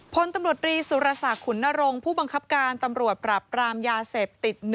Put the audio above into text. พลตำรวจรีสุรศักดิ์ขุนนรงค์ผู้บังคับการตำรวจปราบปรามยาเสพติด๑